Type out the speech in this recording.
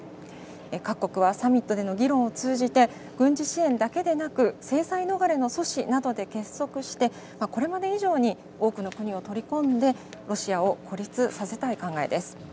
各国はサミットでの議論を通じて、軍事支援だけでなく、制裁逃れの阻止などで結束して、これまで以上に多くの国を取り込んで、ロシアを孤立させたい考えです。